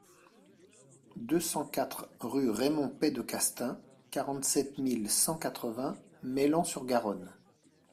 deux cent quatre rue Raymond Peydecastaing, quarante-sept mille cent quatre-vingts Meilhan-sur-Garonne